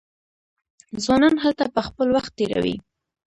ځوانان هلته خپل وخت تیروي.